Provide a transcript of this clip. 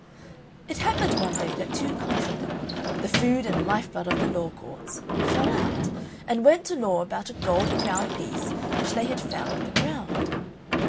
It happened one day that two countrymen the food and life blood of the law courts fell out, and went to law about a gold crown piece which they had found on the ground.